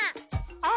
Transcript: あ！